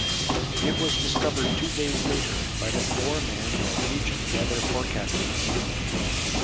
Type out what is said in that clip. It was discovered two days later by the four-man Norwegian weather forecasting team.